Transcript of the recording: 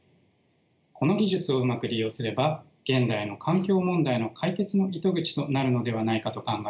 この技術をうまく利用すれば現代の環境問題の解決の糸口となるのではないかと考え